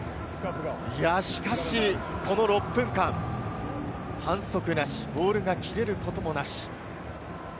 しかしこの６分間、反則なし、ボールが切れることもなし。